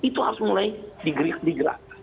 itu harus mulai digerak